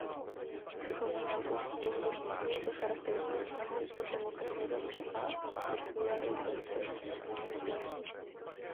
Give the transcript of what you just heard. Duchovní nauku tohoto hnutí lze charakterizovat snahou o „demokratizaci“ a „sekularizaci“ mysticismu.